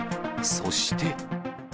そして。